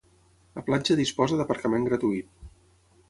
La platja disposa d'aparcament gratuït.